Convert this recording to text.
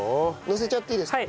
のせちゃっていいですか？